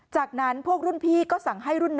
จากนั้นพวกรุ่นพี่ก็สั่งให้รุ่นน้อง